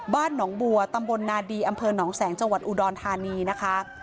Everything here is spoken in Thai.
บ้านหนองบัวตำบลนาดีอำเภอหนองแสงจังหวัดอุดรธานีนะคะ